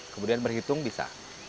kemudian berhitung bisa